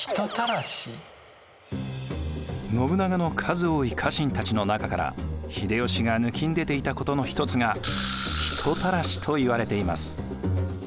信長の数多い家臣たちの中から秀吉がぬきんでていたことの一つが人たらしといわれています。